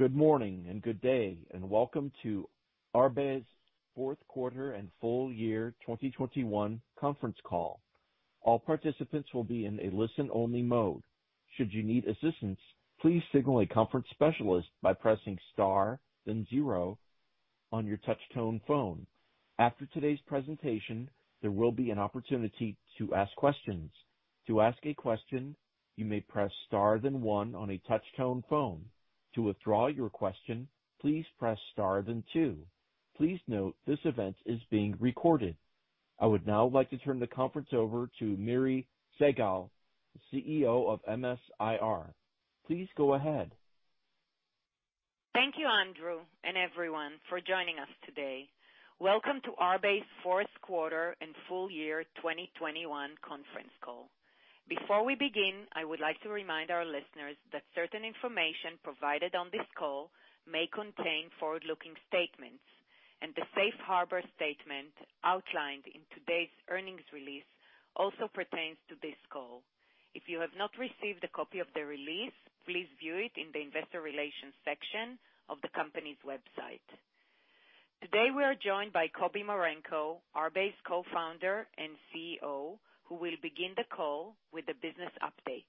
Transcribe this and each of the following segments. Good morning and good day, and welcome to Arbe's fourth quarter and full-year 2021 conference call. All participants will be in a listen-only mode. Should you need assistance, please signal a conference specialist by pressing star then zero on your touch tone phone. After today's presentation, there will be an opportunity to ask questions. To ask a question, you may press star then one on a touch-tone phone. To withdraw your question, please press star then two. Please note this event is being recorded. I would now like to turn the conference over to Miri Segal, CEO of MS-IR. Please go ahead. Thank you, Andrew, and everyone for joining us today. Welcome to Arbe's fourth quarter and full-year 2021 conference call. Before we begin, I would like to remind our listeners that certain information provided on this call may contain forward-looking statements, and the safe harbor statement outlined in today's earnings release also pertains to this call. If you have not received a copy of the release, please view it in the Investor Relations section of the company's website. Today, we are joined by Kobi Marenko, Arbe's Co-Founder and CEO, who will begin the call with a business update.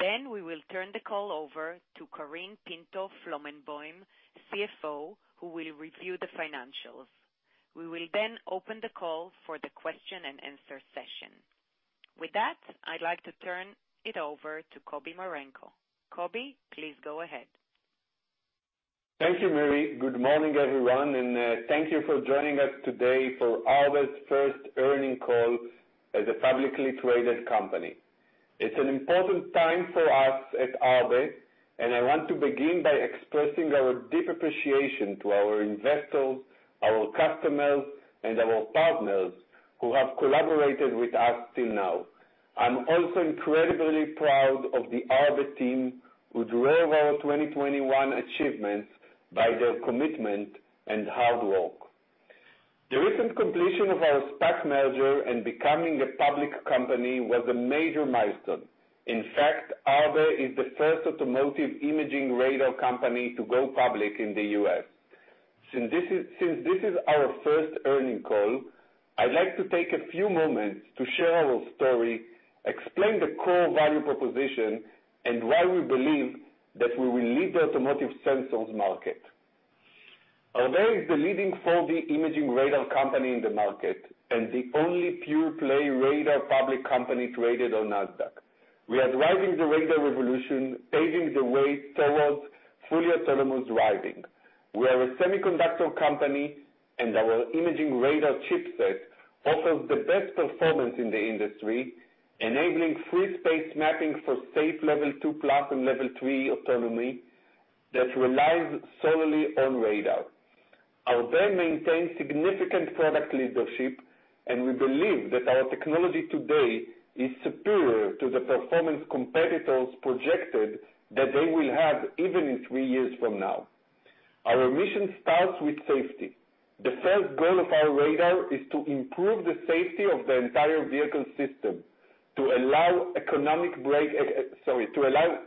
Then we will turn the call over to Karine Pinto-Flomenboim, CFO, who will review the financials. We will then open the call for the question-and-answer session. With that, I'd like to turn it over to Kobi Marenko. Kobi, please go ahead. Thank you, Miri. Good morning, everyone, and thank you for joining us today for Arbe's first earnings call as a publicly traded company. It's an important time for us at Arbe, and I want to begin by expressing our deep appreciation to our investors, our customers, and our partners who have collaborated with us till now. I'm also incredibly proud of the Arbe team who drove our 2021 achievements by their commitment and hard work. The recent completion of our SPAC merger and becoming a public company was a major milestone. In fact, Arbe is the first automotive imaging radar company to go public in the U.S. Since this is our first earnings call, I'd like to take a few moments to share our story, explain the core value proposition, and why we believe that we will lead the automotive sensors market. Arbe is the leading 4D imaging radar company in the market and the only pure play radar public company traded on Nasdaq. We are driving the radar revolution, paving the way towards fully autonomous driving. We are a semiconductor company and our imaging radar chipset offers the best performance in the industry, enabling free space mapping for safe Level 2+ and Level 3 autonomy that relies solely on radar. Arbe maintains significant product leadership, and we believe that our technology today is superior to the performance competitors projected that they will have even in three years from now. Our mission starts with safety. The first goal of our radar is to improve the safety of the entire vehicle system to allow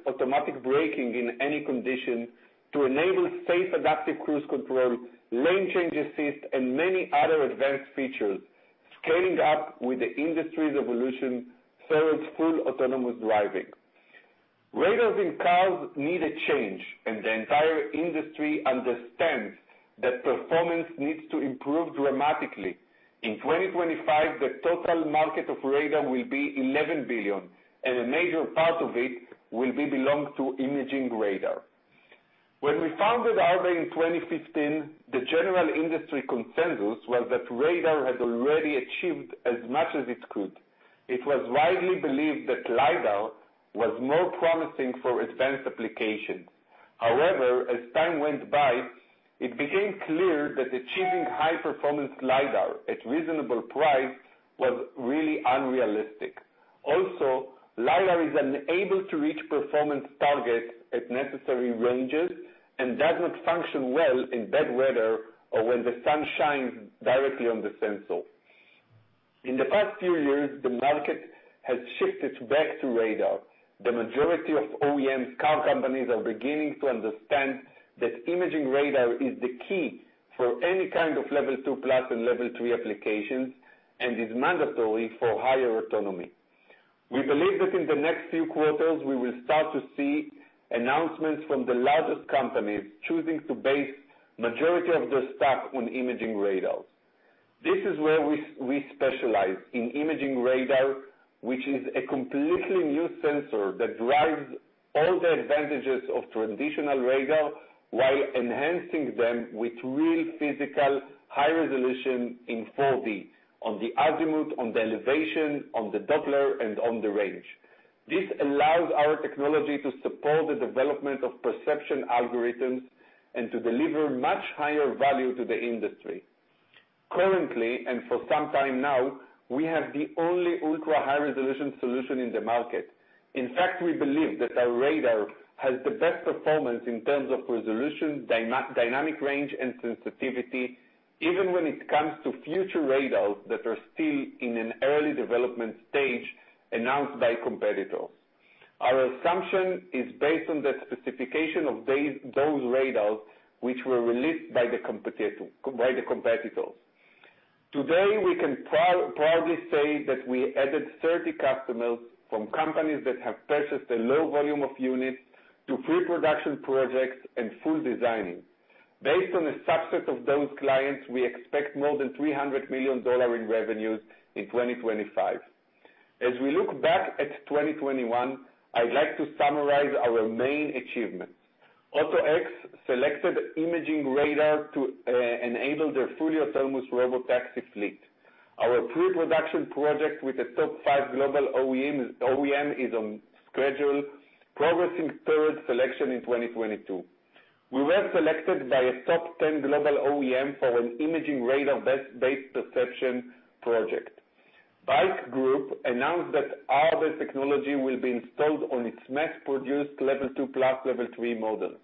automatic braking in any condition, to enable safe adaptive cruise control, lane change assist, and many other advanced features scaling up with the industry's evolution towards full autonomous driving. Radars in cars need a change, and the entire industry understands that performance needs to improve dramatically. In 2025, the total market of radar will be $11 billion, and a major part of it will belong to imaging radar. When we founded Arbe in 2015, the general industry consensus was that radar had already achieved as much as it could. It was widely believed that LIDAR was more promising for advanced applications. However, as time went by, it became clear that achieving high-performance LIDAR at reasonable price was really unrealistic. Also, LIDAR is unable to reach performance targets at necessary ranges and does not function well in bad weather or when the sun shines directly on the sensor. In the past few years, the market has shifted back to radar. The majority of OEMs car companies are beginning to understand that imaging radar is the key for any kind of Level 2+ and Level 3 applications and is mandatory for higher autonomy. We believe that in the next few quarters, we will start to see announcements from the largest companies choosing to base majority of their stack on imaging radars. This is where we specialize in imaging radar, which is a completely new sensor that drives all the advantages of traditional radar while enhancing them with real physical high resolution in 4D, on the azimuth, on the elevation, on the Doppler, and on the range. This allows our technology to support the development of perception algorithms and to deliver much higher value to the industry. Currently, and for some time now, we have the only ultra-high-resolution solution in the market. In fact, we believe that our radar has the best performance in terms of resolution, dynamic range, and sensitivity, even when it comes to future radars that are still in an early development stage announced by competitors. Our assumption is based on the specification of those radars which were released by the competitors. Today, we can proudly say that we added 30 customers from companies that have purchased a low volume of units to pre-production projects and full designing. Based on the subset of those clients, we expect more than $300 million in revenues in 2025. As we look back at 2021, I'd like to summarize our main achievements. AutoX selected imaging radar to enable their fully-autonomous robotaxi fleet. Our pre-production project with the top five global OEM is on schedule, progressing towards selection in 2022. We were selected by a top 10 global OEM for an imaging radar based perception project. BAIC Group announced that our technology will be installed on its mass-produced Level 2+, Level 3 models.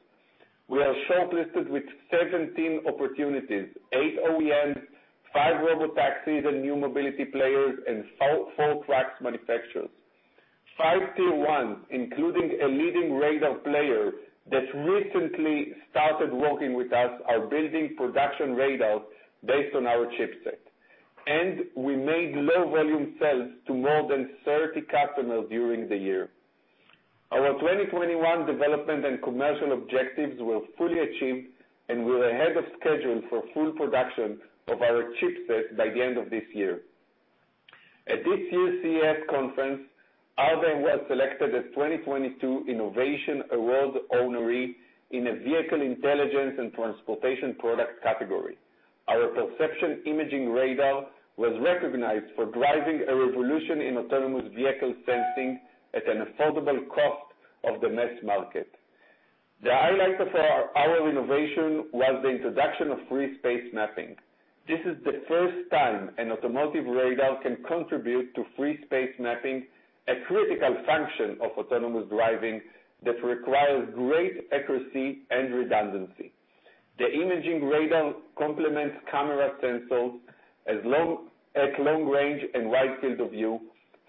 We are shortlisted with 17 opportunities, eight OEMs, five robotaxis and new mobility players and four truck manufacturers. Five Tier 1s, including a leading radar player that recently started working with us, are building production radars based on our chipset. We made low-volume sales to more than 30 customers during the year. Our 2021 development and commercial objectives were fully achieved, and we're ahead of schedule for full production of our chipset by the end of this year. At this year's CES conference, Arbe was selected as 2022 Innovation Award honoree in a vehicle intelligence and transportation product category. Our perception imaging radar was recognized for driving a revolution in autonomous vehicle sensing at an affordable cost of the mass market. The highlight of our innovation was the introduction of free space mapping. This is the first time an automotive radar can contribute to free space mapping, a critical function of autonomous driving that requires great accuracy and redundancy. The imaging radar complements camera sensors at long range and wide field of view,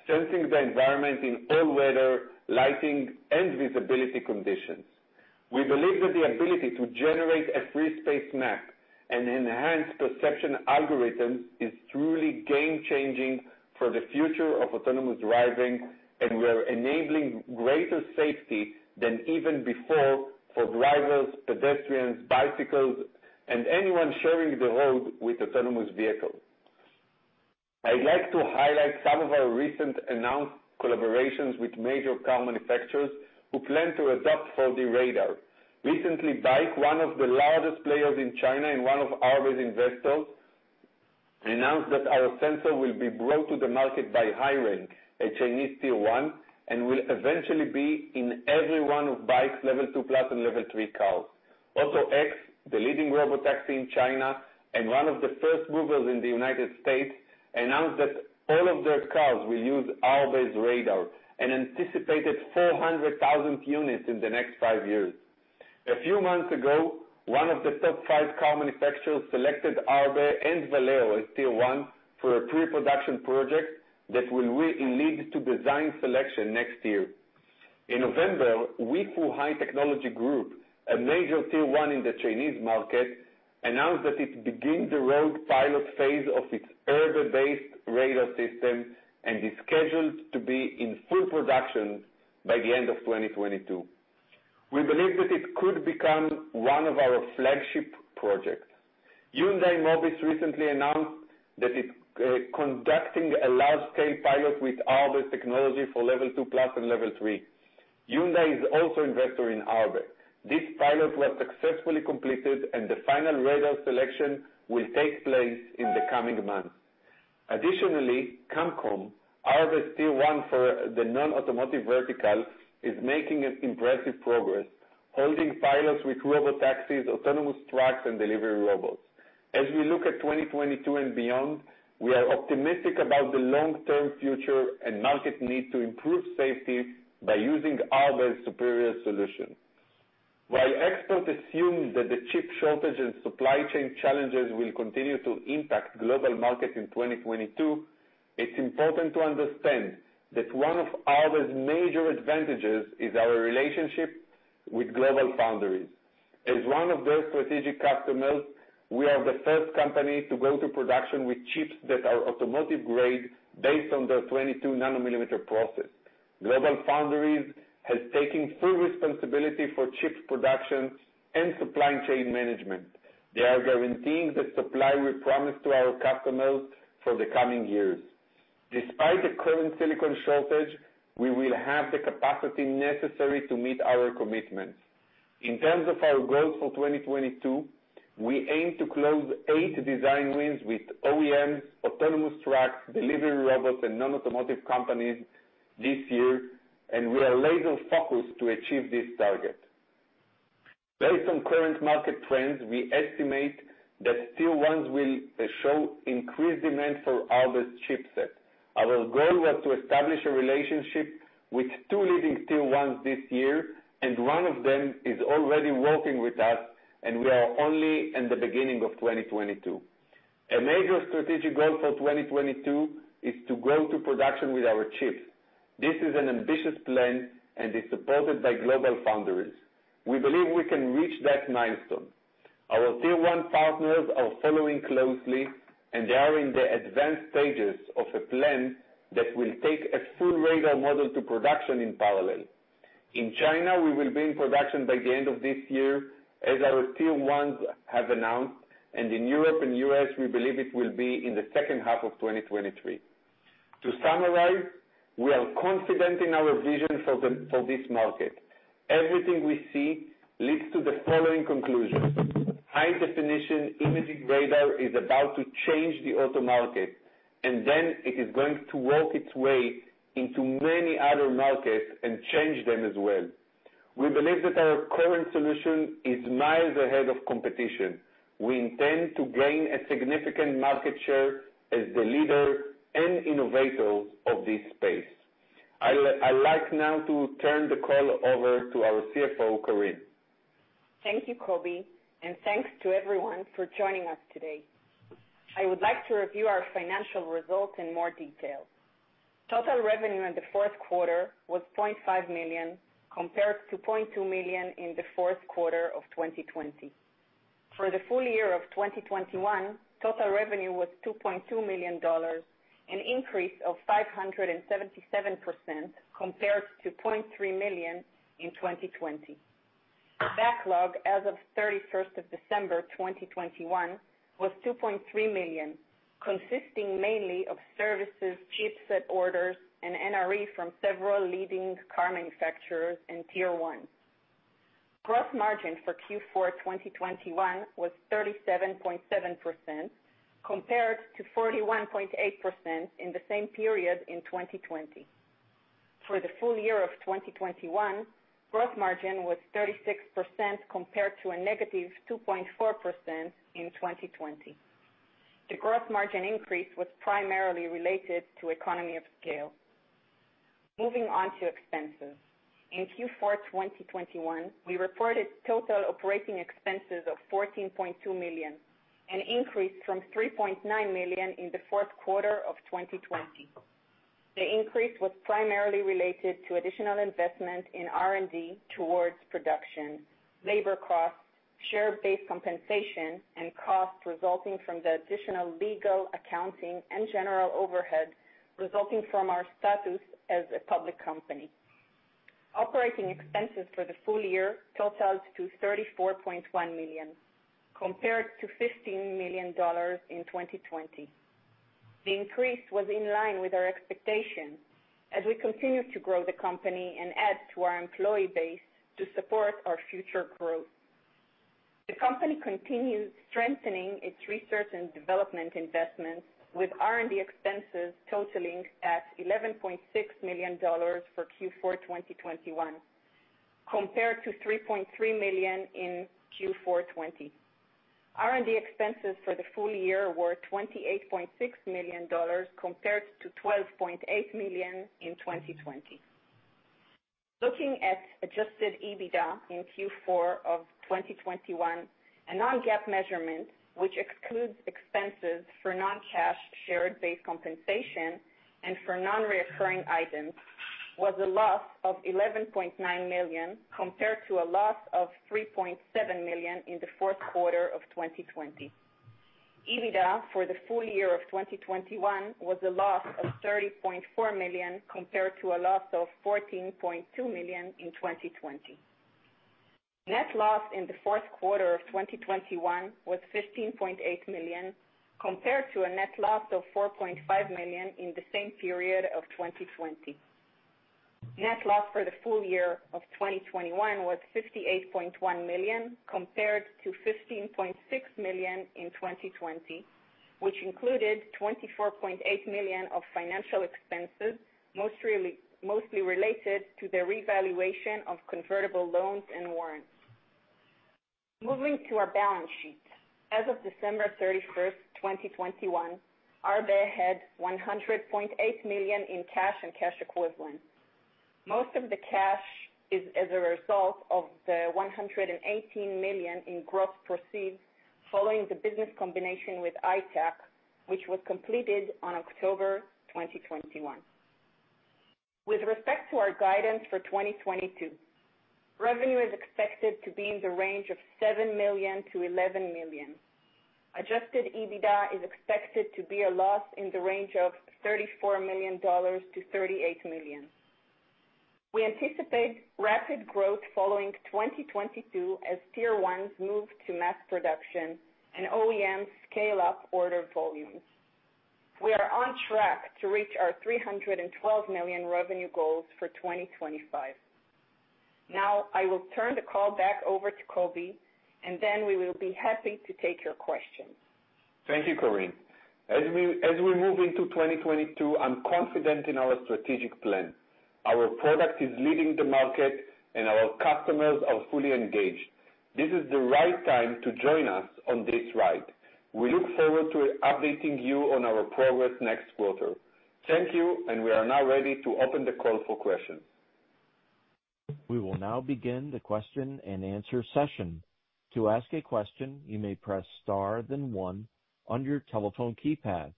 sensing the environment in all weather, lighting, and visibility conditions. We believe that the ability to generate a free space map and enhance perception algorithms is truly game-changing for the future of autonomous driving, and we are enabling greater safety than even before for drivers, pedestrians, bicycles, and anyone sharing the road with autonomous vehicles. I'd like to highlight some of our recent announced collaborations with major car manufacturers who plan to adopt for the radar. Recently, BAIC, one of the largest players in China and one of Arbe's investors, announced that our sensor will be brought to the market by HiRain, a Chinese Tier 1, and will eventually be in every one of BAIC's Level 2+ and Level 3 cars. AutoX, the leading robotaxi in China and one of the first movers in the United States, announced that all of their cars will use Arbe's radar and anticipated 400,000 units in the next five years. A few months ago, one of the top five car manufacturers selected Arbe and Valeo as Tier 1 for a pre-production project that will lead to design selection next year. In November, Weifu High-Technology Group, a major Tier 1 in the Chinese market, announced that it begins the road pilot phase of its Arbe-based radar system and is scheduled to be in full production by the end of 2022. We believe that it could become one of our flagship projects. Hyundai Mobis recently announced that it conducting a large-scale pilot with Arbe's technology for Level 2+ and Level 3. Hyundai is also investor in Arbe. This pilot was successfully completed, and the final radar selection will take place in the coming months. Additionally, Qamcom, Arbe's Tier 1 for the non-automotive vertical, is making an impressive progress, holding pilots with robotaxis, autonomous trucks, and delivery robots. As we look at 2022 and beyond, we are optimistic about the long-term future and market need to improve safety by using Arbe's superior solution. While experts assume that the chip shortage and supply chain challenges will continue to impact global markets in 2022, it's important to understand that one of Arbe's major advantages is our relationship with GlobalFoundries. As one of their strategic customers, we are the first company to go to production with chips that are automotive-grade based on their 22 nm process. GlobalFoundries has taken full responsibility for chip production and supply chain management. They are guaranteeing the supply we promised to our customers for the coming years. Despite the current silicon shortage, we will have the capacity necessary to meet our commitments. In terms of our goals for 2022, we aim to close eight design wins with OEMs, autonomous trucks, delivery robots, and non-automotive companies this year, and we are laser-focused to achieve this target. Based on current market trends, we estimate that Tier 1s will show increased demand for Arbe's chipset. Our goal was to establish a relationship with two leading Tier 1s this year, and one of them is already working with us, and we are only in the beginning of 2022. A major strategic goal for 2022 is to go to production with our chips. This is an ambitious plan and is supported by GlobalFoundries. We believe we can reach that milestone. Our Tier 1 partners are following closely, and they are in the advanced stages of a plan that will take a full radar model to production in parallel. In China, we will be in production by the end of this year, as our Tier 1s have announced, and in Europe and U.S., we believe it will be in the second half of 2023. To summarize, we are confident in our vision for this market. Everything we see leads to the following conclusions. High-definition imaging radar is about to change the auto market, and then it is going to work its way into many other markets and change them as well. We believe that our current solution is miles ahead of competition. We intend to gain a significant market share as the leader and innovator of this space. I'd like now to turn the call over to our CFO, Karine. Thank you, Kobi, and thanks to everyone for joining us today. I would like to review our financial results in more detail. Total revenue in the fourth quarter was $0.5 million, compared to $0.2 million in the fourth quarter of 2020. For the full-year of 2021, total revenue was $2.2 million, an increase of 577% compared to $0.3 million in 2020. Backlog as of December 31, 2021 was $2.3 million, consisting mainly of services, chipset orders, and NRE from several leading car manufacturers and Tier 1s. Gross margin for Q4 2021 was 37.7% compared to 41.8% in the same period in 2020. For the full-year of 2021, gross margin was 36% compared to a -2.4% in 2020. The gross margin increase was primarily related to economy of scale. Moving on to expenses. In Q4 2021, we reported total operating expenses of $14.2 million, an increase from $3.9 million in the fourth quarter of 2020. The increase was primarily related to additional investment in R&D towards production, labor costs, share-based compensation, and costs resulting from the additional legal, accounting, and general overhead resulting from our status as a public company. Operating expenses for the full-year totals to $34.1 million, compared to $15 million in 2020. The increase was in line with our expectations as we continue to grow the company and add to our employee base to support our future growth. The company continues strengthening its research and development investments with R&D expenses totaling at $11.6 million for Q4 2021, compared to $3.3 million in Q4 2020. R&D expenses for the full-year were $28.6 million compared to $12.8 million in 2020. Looking at adjusted EBITDA in Q4 2021, a non-GAAP measurement, which excludes expenses for non-cash share-based compensation and for non-recurring items, was a loss of $11.9 million compared to a loss of $3.7 million in the fourth quarter of 2020. EBITDA for the full-year of 2021 was a loss of $30.4 million compared to a loss of $14.2 million in 2020. Net loss in the fourth quarter of 2021 was $15.8 million compared to a net loss of $4.5 million in the same period of 2020. Net loss for the full-year of 2021 was $58.1 million compared to $15.6 million in 2020, which included $24.8 million of financial expenses, mostly related to the revaluation of convertible loans and warrants. Moving to our balance sheet. As of December 31, 2021, Arbe had $100.8 million in cash and cash equivalents. Most of the cash is as a result of the $118 million in gross proceeds following the business combination with Industrial Tech Acquisitions, Inc., which was completed on October 2021. With respect to our guidance for 2022, revenue is expected to be in the range of $7 million-$11 million. Adjusted EBITDA is expected to be a loss in the range of $34 million-$38 million. We anticipate rapid growth following 2022 as Tier 1s move to mass production and OEMs scale up order volumes. We are on track to reach our $312 million revenue goals for 2025. Now I will turn the call back over to Kobi, and then we will be happy to take your questions. Thank you, Karine. As we move into 2022, I'm confident in our strategic plan. Our product is leading the market and our customers are fully engaged. This is the right time to join us on this ride. We look forward to updating you on our progress next quarter. Thank you, and we are now ready to open the call for questions. We will now begin the question and answer session. To ask a question, you may press star then one on your telephone keypad.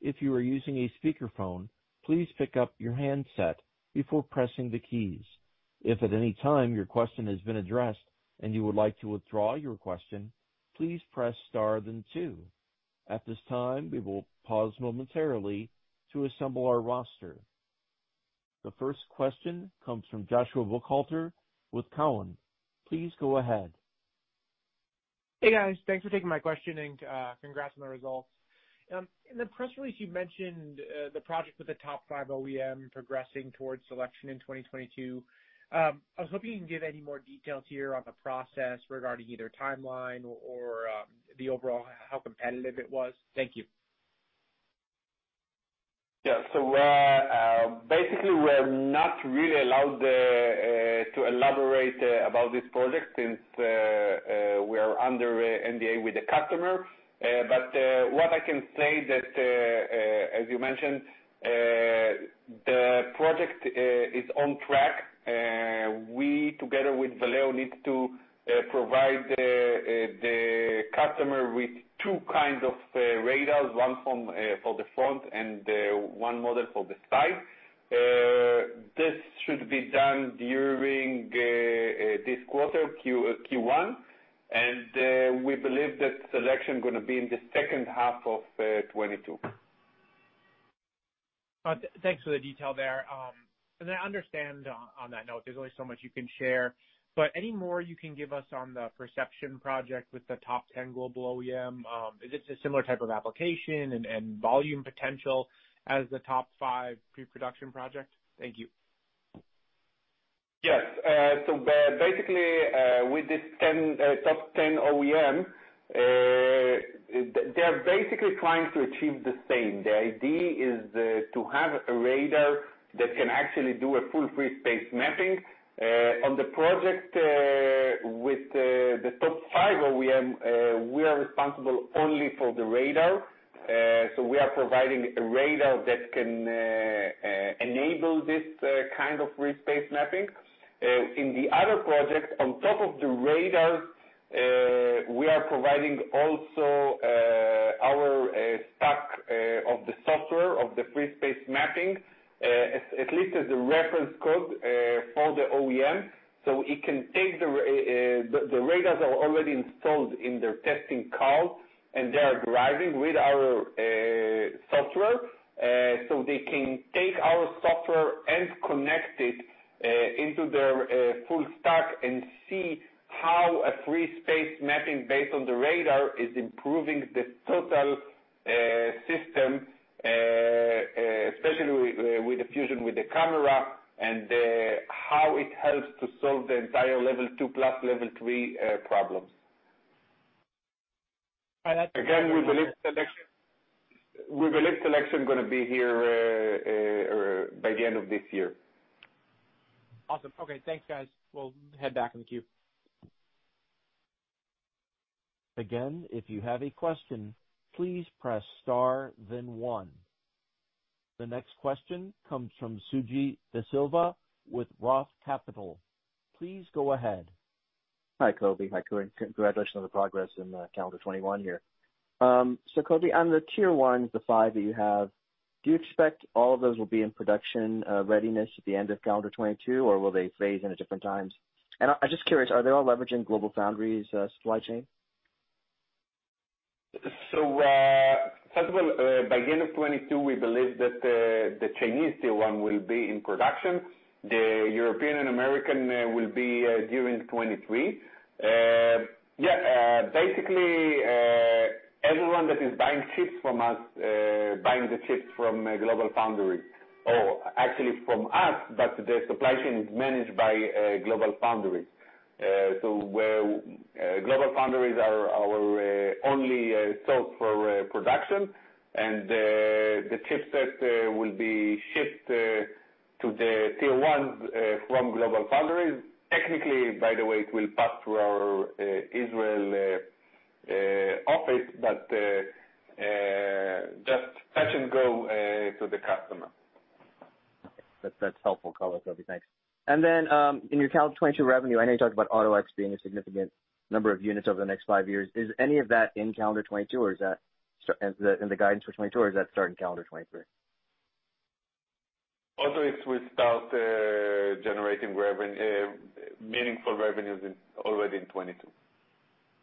If you are using a speakerphone, please pick up your handset before pressing the keys. If at any time your question has been addressed and you would like to withdraw your question, please press star then two. At this time, we will pause momentarily to assemble our roster. The first question comes from Joshua Buchalter with Cowen. Please go ahead. Hey, guys. Thanks for taking my question and congrats on the results. In the press release, you mentioned the project with the top five OEM progressing towards selection in 2022. I was hoping you can give any more details here on the process regarding either timeline or the overall how competitive it was. Thank you. Yeah. Basically, we're not really allowed to elaborate about this project since we are under an NDA with the customer. What I can say is that, as you mentioned, the project is on track. We together with Valeo need to provide the customer with two kinds of radars, one for the front and one model for the side. This should be done during this quarter Q1. We believe that selection gonna be in the second half of 2022. Thanks for the detail there. I understand on that note, there's only so much you can share, but any more you can give us on the perception project with the top ten global OEM? Is this a similar type of application and volume potential as the top five pre-production project? Thank you. Yes. Basically, with the top 10 OEM, they're basically trying to achieve the same. The idea is to have a radar that can actually do a full free space mapping. On the project with the top five OEM, we are responsible only for the radar. We are providing a radar that can enable this kind of free space mapping. In the other project on top of the radar, we are providing also our stack of the software of the free space mapping, at least as a reference code for the OEM, so it can take the radars. The radars are already installed in their testing cars, and they are driving with our software. They can take our software and connect it into their full stack and see how a free space mapping based on the radar is improving the total system, especially with the fusion with the camera and how it helps to solve the entire Level 2+ Level 3 problems. All right. We believe selection gonna be here, or by the end of this year. Awesome. Okay. Thanks, guys. We'll head back in the queue. Again, if you have a question, please press star then one. The next question comes from Suji Desilva with Roth Capital. Please go ahead. Hi, Kobi. Hi, Karine. Congratulations on the progress in calendar 2021 here. So, Kobi, on the Tier 1s, the five that you have, do you expect all of those will be in production readiness at the end of calendar 2022 or will they phase in at different times? I'm just curious, are they all leveraging GlobalFoundries supply chain? First of all, by end of 2022, we believe that the Chinese Tier 1 will be in production. The European and American will be during 2023. Basically, everyone that is buying chips from us buying the chips from GlobalFoundries or actually from us, but the supply chain is managed by GlobalFoundries. GlobalFoundries are our only source for production and the chipsets will be shipped to the Tier 1s from GlobalFoundries. Technically, by the way, it will pass through our Israel office, but just touch and go to the customer. Okay. That's helpful color, Kobi. Thanks. Then, in your calendar 2022 revenue, I know you talked about AutoX being a significant number of units over the next five years. Is any of that in calendar 2022 or is that in the guidance for 2022 or is that starting calendar 2023? AutoX will start generating meaningful revenues already in 2022.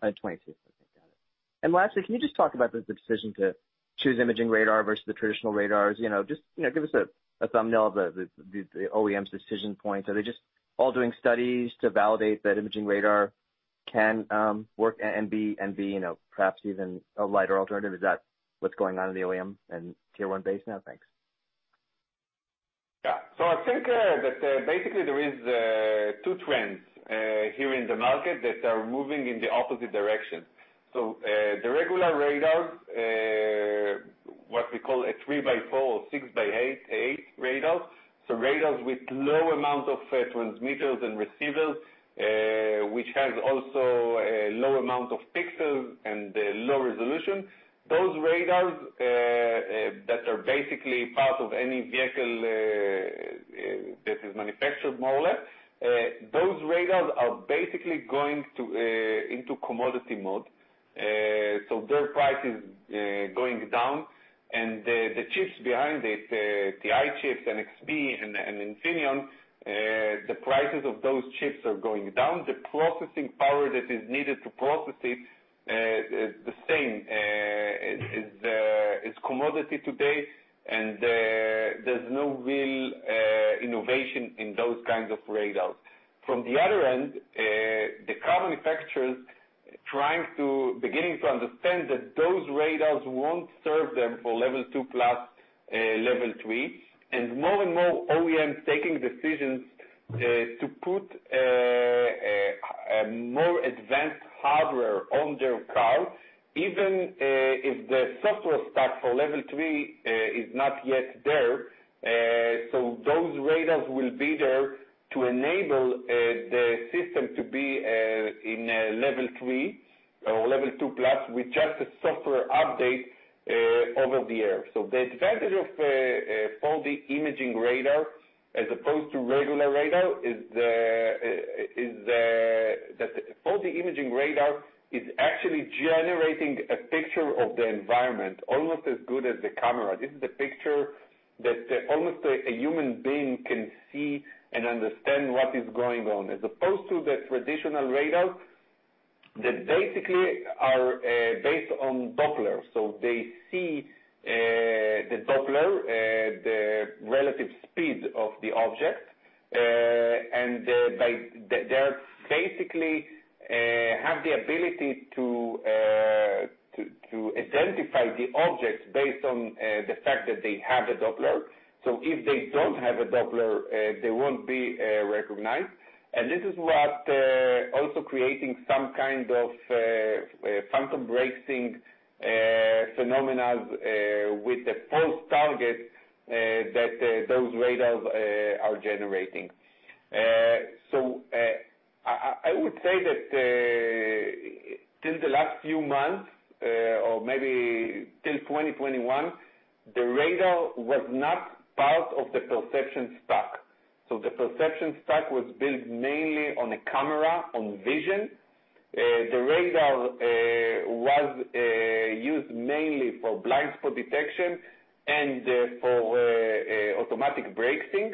2022. Okay, got it. Lastly, can you just talk about the decision to choose imaging radar versus the traditional radars? You know, just give us a thumbnail of the OEM's decision points. Are they just all doing studies to validate that imaging radar can work and be you know, perhaps even a lighter alternative? Is that what's going on in the OEM and Tier 1 base now? Thanks. I think that basically there is two trends here in the market that are moving in the opposite direction. The regular radars what we call a 3x4 or 6x8 radars, so radars with low amount of transmitters and receivers which has also a low amount of pixels and low resolution. Those radars that are basically part of any vehicle that is manufactured more or less those radars are basically going into commodity mode. Their price is going down and the chips behind it the AI chips NXP and Infineon the prices of those chips are going down. The processing power that is needed to process it is the same. It is commodity today, and there's no real innovation in those kinds of radars. From the other end, the car manufacturers beginning to understand that those radars won't serve them for Level 2+, Level 3. More and more OEMs taking decisions to put a more advanced hardware on their cars, even if the software stack for Level 3 is not yet there. Those radars will be there to enable the system to be in Level 3 or Level 2+ with just a software update over the air. The advantage of 4D imaging radar as opposed to regular radar is 4D imaging radar is actually generating a picture of the environment almost as good as the camera. This is a picture that almost a human being can see and understand what is going on, as opposed to the traditional radars that basically are based on Doppler. They see the Doppler, the relative speed of the object, and they basically have the ability to identify the objects based on the fact that they have a Doppler. If they don't have a Doppler, they won't be recognized. This is what is also creating some kind of phantom braking phenomena with the false targets that those radars are generating. I would say that till the last few months or maybe till 2021, the radar was not part of the perception stack. The perception stack was built mainly on a camera, on vision. The radar was used mainly for blind spot detection and for automatic braking.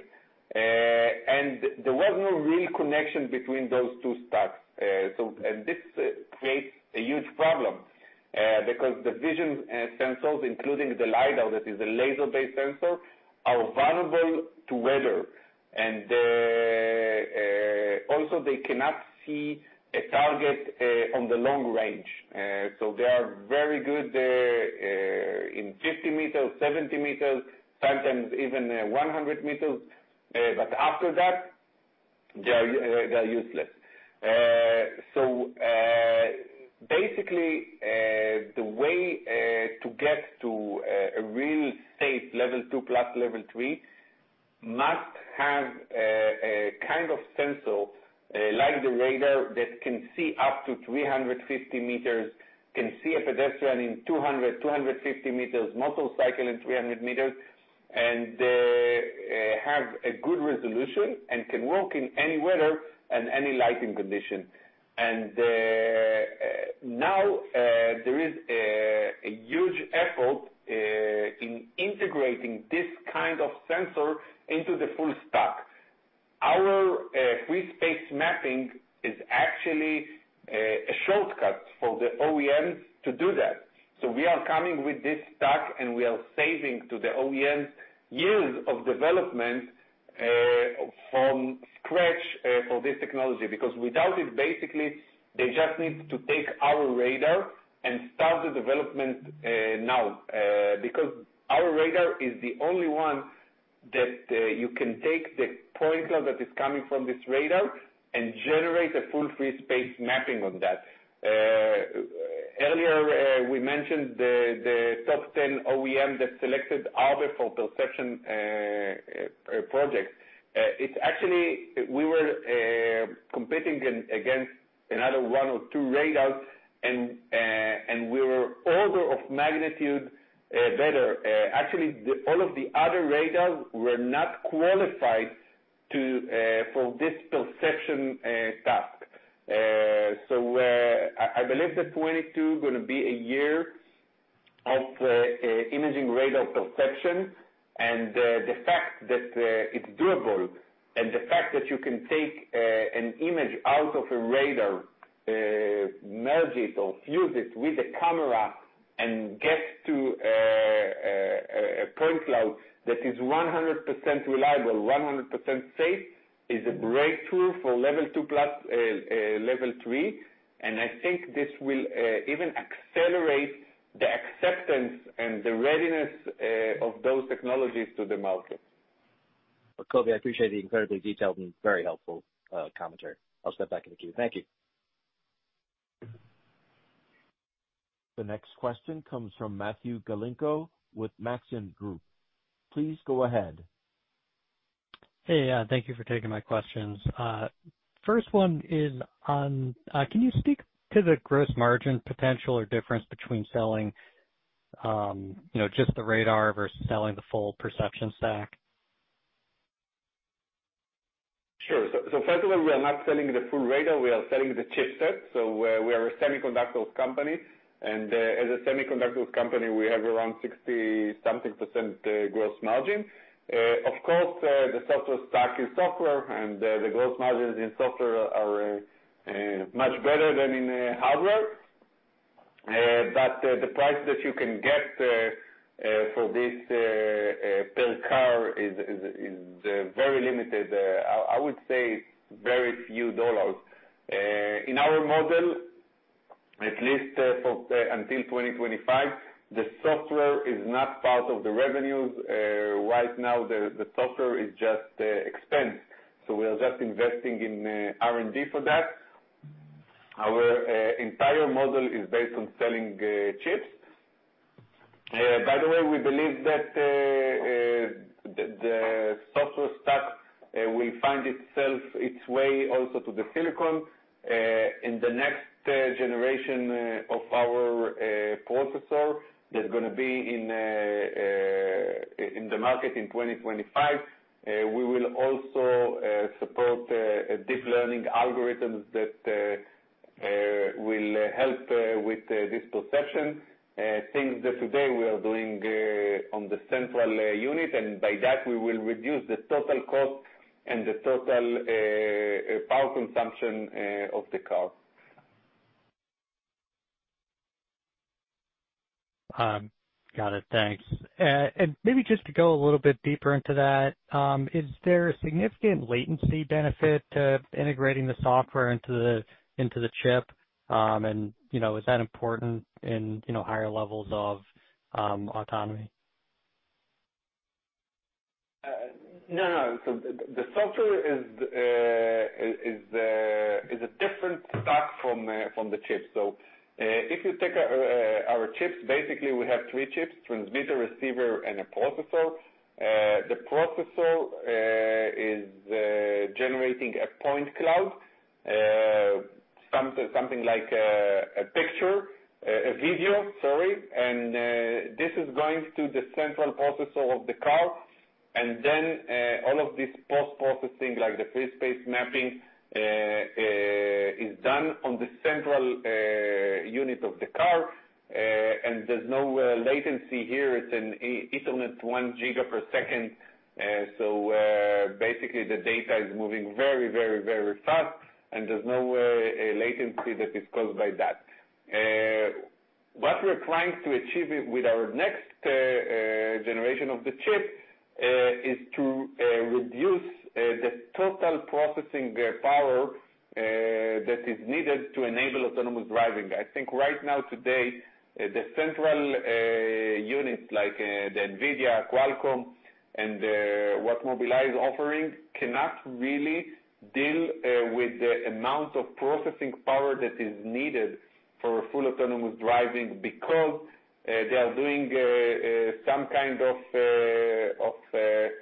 There was no real connection between those two stacks. This creates a huge problem because the vision sensors, including the LIDAR, that is a laser-based sensor, are vulnerable to weather. Also they cannot see a target on the long range. They are very good in 50 m, 70 m, sometimes even 100 m. After that they are useless. Basically, the way to get to a real safe Level 2+, Level 3 must have a kind of sensor like the radar that can see up to 350 m, can see a pedestrian in 250 m, motorcycle in 300 m, and have a good resolution and can work in any weather and any lighting condition. Now, there is a huge effort in integrating this kind of sensor into the full stack. Our free space mapping is actually a shortcut for the OEMs to do that. We are coming with this stack, and we are saving to the OEMs years of development from scratch for this technology. Without it, basically, they just need to take our radar and start the development now. Our radar is the only one that you can take the point cloud that is coming from this radar and generate a full free space mapping on that. Earlier, we mentioned the top ten OEM that selected Arbe for perception project. It's actually, we were competing against another one or two radars and we were order of magnitude better. Actually, all of the other radars were not qualified for this perception task. I believe that 2022 is going to be a year of imaging radar perception, and the fact that it's doable and the fact that you can take an image out of a radar, merge it or fuse it with a camera and get to a point cloud that is 100% reliable, 100% safe, is a breakthrough for Level 2+, Level 3. I think this will even accelerate the acceptance and the readiness of those technologies to the market. Kobi, I appreciate the incredibly detailed and very helpful commentary. I'll step back in the queue. Thank you. The next question comes from Matthew Galinko with Maxim Group. Please go ahead. Hey, yeah. Thank you for taking my questions. First one is on, can you speak to the gross margin potential or difference between selling, you know, just the radar versus selling the full perception stack? Sure. First of all, we are not selling the full radar, we are selling the chipset. We are a semiconductors company and, as a semiconductors company, we have around 60%-something gross margin. Of course, the software stack is software and the gross margins in software are much better than in hardware. But the price that you can get for this per car is very limited. I would say very few dollars. In our model, at least, for until 2025, the software is not part of the revenues. Right now the software is just expense. We are just investing in R&D for that. Our entire model is based on selling chips. By the way, we believe that the software stack will find its way also to the silicon. In the next generation of our processor that's gonna be in the market in 2025, we will also support deep learning algorithms that will help with this perception. Things that today we are doing on the central unit, and by that we will reduce the total cost and the total power consumption of the car. Got it. Thanks. Maybe just to go a little bit deeper into that, is there a significant latency benefit to integrating the software into the chip? You know, is that important in, you know, higher levels of autonomy? No. The software is a different stack from the chip. If you take our chips, basically we have three chips: transmitter, receiver, and a processor. The processor is generating a point cloud, something like a picture, a video, sorry. This is going to the central processor of the car. Then all of this post-processing, like the free space mapping, is done on the central unit of the car. There's no latency here. It's an Ethernet 1 Gb/s. Basically the data is moving very, very, very fast, and there's no latency that is caused by that. What we're trying to achieve with our next generation of the chip is to reduce the total processing power that is needed to enable autonomous driving. I think right now today, the central units like the NVIDIA, Qualcomm and what Mobileye is offering cannot really deal with the amount of processing power that is needed for full autonomous driving because they are doing some kind of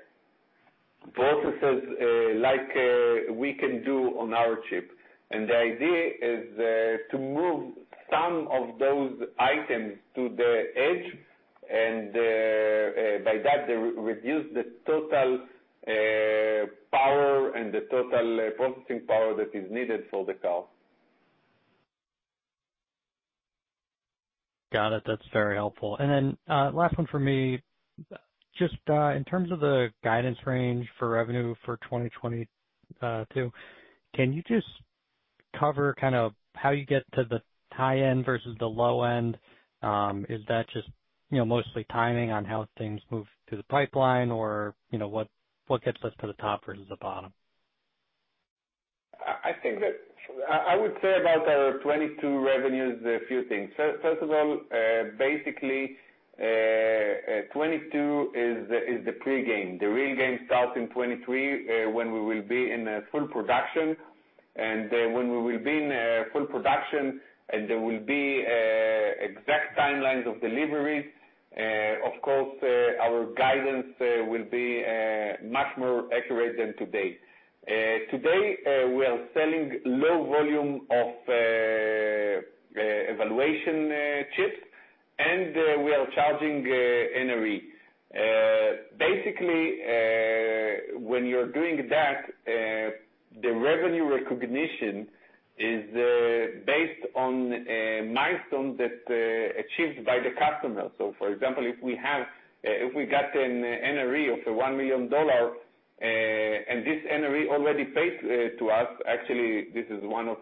processes like we can do on our chip. The idea is to move some of those items to the edge and by that, reduce the total power and the total processing power that is needed for the car. Got it. That's very helpful. Then, last one for me. Just, in terms of the guidance range for revenue for 2022, can you just cover kind of how you get to the high end versus the low end? Is that just, you know, mostly timing on how things move through the pipeline or, you know, what gets us to the top versus the bottom? I would say about our 2022 revenues, a few things. First of all, basically, 2022 is the pregame. The real game starts in 2023, when we will be in full production. When we will be in full production and there will be exact timelines of deliveries, of course, our guidance will be much more accurate than today. Today, we are selling low volume of evaluation chips, and we are charging NRE. Basically, when you're doing that, the revenue recognition is based on a milestone that achieved by the customer. For example, if we got an NRE of $1 million, and this NRE already paid to us, actually, this is one of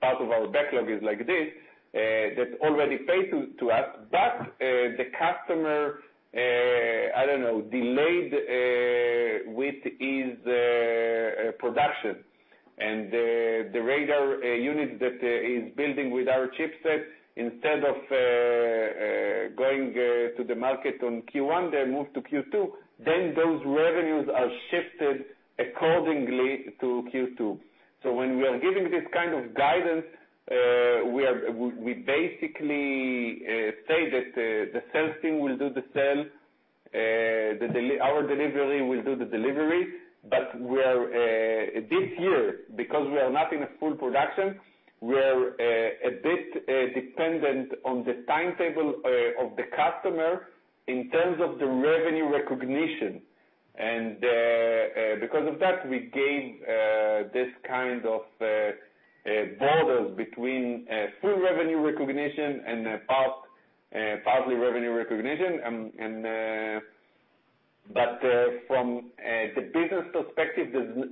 part of our backlog is like this, that already paid to us. The customer, I don't know, delayed with his production. The radar unit that is building with our chipset instead of going to the market on Q1, they move to Q2, then those revenues are shifted accordingly to Q2. When we are giving this kind of guidance, we basically say that the sales team will do the sale, our delivery will do the delivery. This year, because we are not in full production, we're a bit dependent on the timetable of the customer in terms of the revenue recognition. Because of that, we gave this kind of borders between full revenue recognition and partly revenue recognition. From the business perspective,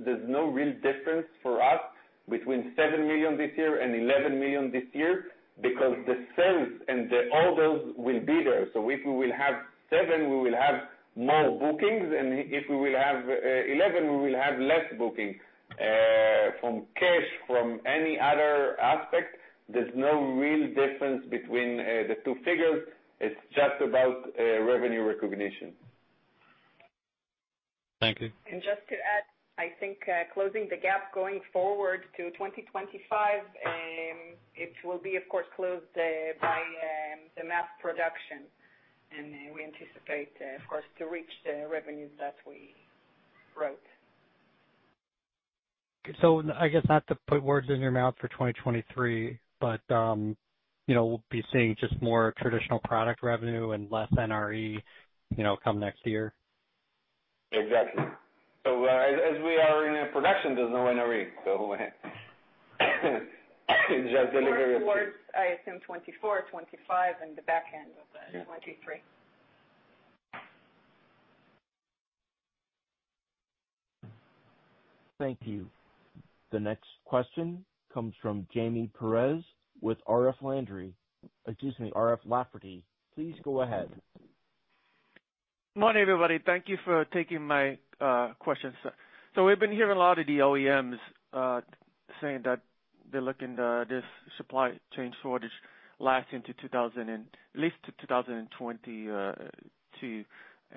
there's no real difference for us between $7 million this year and $11 million this year because the sales and the orders will be there. If we will have $7 million, we will have more bookings, and if we will have $11 million, we will have less bookings. From cash, from any other aspect, there's no real difference between the two figures. It's just about revenue recognition. Thank you. Just to add, I think, closing the gap going forward to 2025, it will be of course closed by the mass production. We anticipate, of course, to reach the revenues that we wrote. I guess not to put words in your mouth for 2023, but, you know, we'll be seeing just more traditional product revenue and less NRE, you know, come next year? Exactly. As we are in a production, there's no NRE. It's just delivery of- More towards, I assume, 2024, 2025, and the back end of 2023. Thank you. The next question comes from Jaime Perez with R.F. Lafferty. Excuse me, R.F. Lafferty. Please go ahead. Morning, everybody. Thank you for taking my questions. We've been hearing a lot of the OEMs saying that they're looking at this supply chain shortage lasting at least to 2022.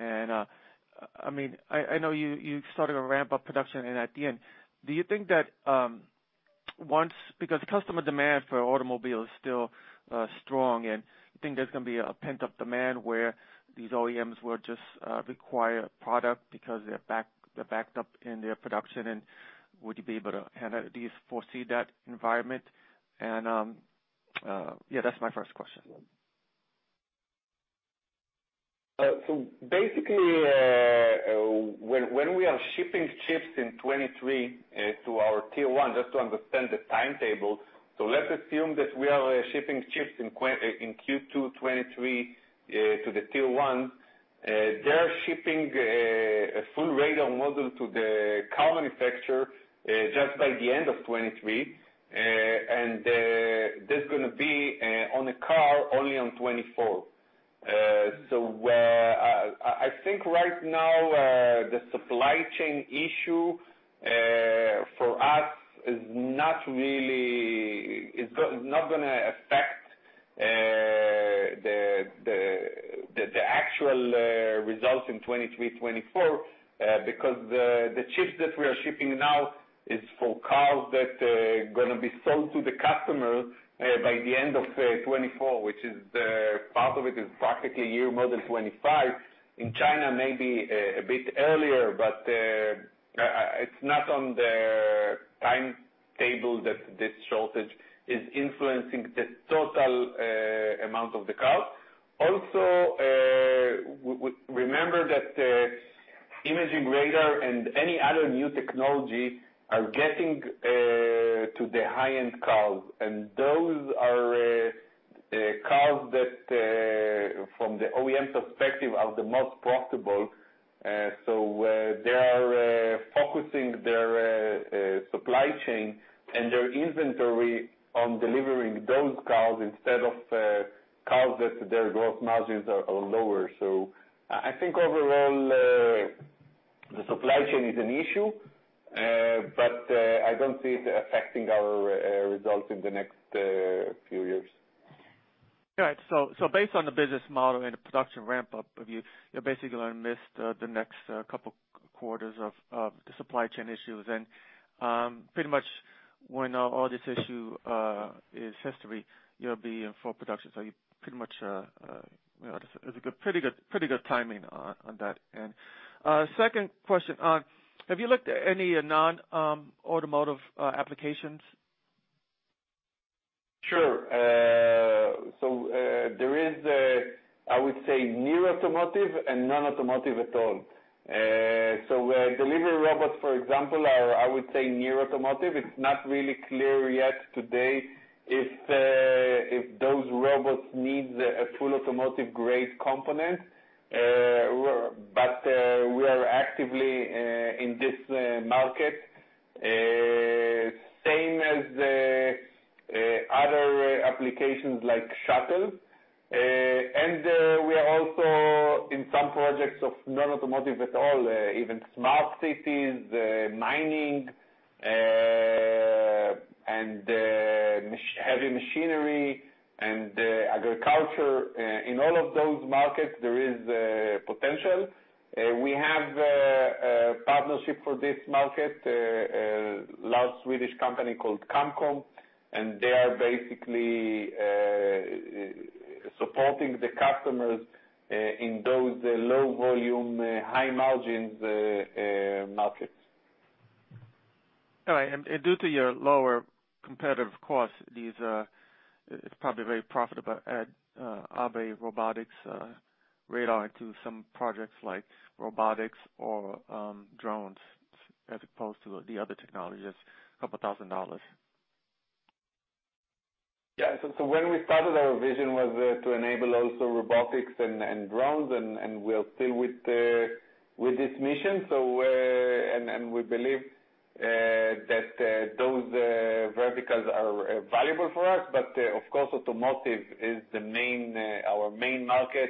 I mean, I know you started to ramp up production at the end. Do you think that because customer demand for automobile is still strong and you think there's gonna be a pent-up demand where these OEMs will just require product because they're backed up in their production? Do you foresee that environment? Yeah, that's my first question. Basically, when we are shipping chips in 2023 to our Tier 1, just to understand the timetable. Let's assume that we are shipping chips in Q2 2023 to the Tier 1. They're shipping a full radar model to the car manufacturer just by the end of 2023. That's gonna be on a car only on 2024. I think right now the supply chain issue for us is not really not gonna affect the actual results in 2023, 2024 because the chips that we are shipping now is for cars that gonna be sold to the customer by the end of 2024, which is part of it is practically year model 2025. In China, maybe a bit earlier, but it's not on the timetable that this shortage is influencing the total amount of cars. Also, we remember that imaging radar and any other new technology are getting into the high-end cars, and those are cars that from the OEM perspective are the most profitable. They are focusing their supply chain and their inventory on delivering those cars instead of cars that their gross margins are lower. I think overall the supply chain is an issue. I don't see it affecting our results in the next few years. All right. Based on the business model and the production ramp-up of you're basically gonna miss the next couple quarters of the supply chain issues. Pretty much when all this issue is history, you'll be in full production. You pretty much, you know, it's a good timing on that end. Second question. Have you looked at any non-automotive applications? Sure. There is, I would say, near-automotive and non-automotive at all. Delivery robots, for example, are, I would say, near-automotive. It's not really clear yet today if those robots need a full automotive-grade component. We are actively in this market. Same as the other applications like shuttle. We are also in some projects of non-automotive at all, even smart cities, mining, and heavy machinery and agriculture. In all of those markets, there is potential. We have a partnership for this market with a large Swedish company called Sensrad, and they are basically supporting the customers in those low-volume, high-margin markets. All right. Due to your lower competitive costs, these, it's probably very profitable at Arbe Robotics radar into some projects like robotics or drones as opposed to the other technologies. $2,000. Yeah, when we started, our vision was to enable also robotics and drones, and we're still with this mission. We believe that those verticals are valuable for us. Of course, automotive is our main market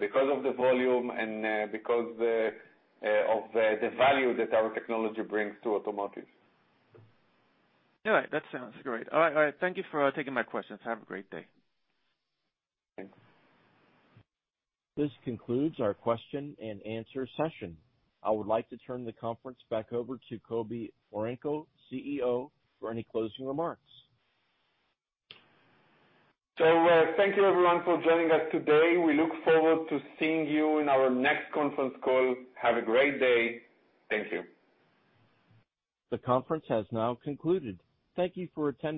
because of the volume and because of the value that our technology brings to automotive. All right. That sounds great. All right, all right. Thank you for taking my questions. Have a great day. Thanks. This concludes our question and answer session. I would like to turn the conference back over to Kobi Marenko, CEO, for any closing remarks. Thank you everyone for joining us today. We look forward to seeing you in our next conference call. Have a great day. Thank you. The conference has now concluded. Thank you for attending.